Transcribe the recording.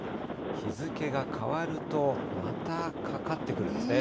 日付が変わると、またかかってくるんですね。